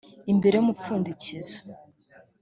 imbere y umupfundikizo